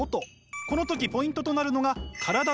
この時ポイントとなるのが体です。